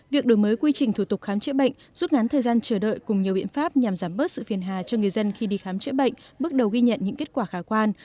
việc đổi mới quy trình thủ tục khám chữa bệnh rút ngắn thời gian chờ đợi cùng nhiều biện pháp nhằm giảm bớt sự phiền hà cho người dân khi đi khám chữa bệnh bước đầu ghi nhận những kết quả khả quan